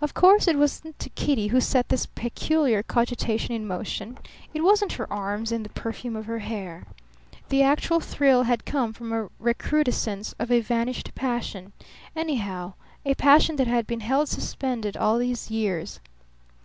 Of course it wasn't Kitty who set this peculiar cogitation in motion. It wasn't her arms and the perfume of her hair. The actual thrill had come from a recrudescence of a vanished passion; anyhow, a passion that had been held suspended all these years.